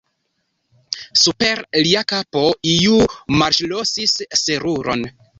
Super lia kapo iu malŝlosis seruron.